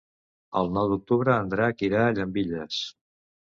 El nou d'octubre en Drac irà a Llambilles.